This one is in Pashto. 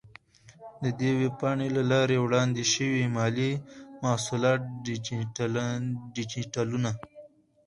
د دې ویب پاڼې له لارې وړاندې شوي مالي محصولات ډیجیټلونه،